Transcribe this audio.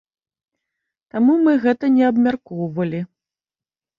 Таму мы гэта не абмяркоўвалі.